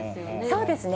そうですね。